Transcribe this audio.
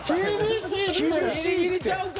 ギリギリちゃうか？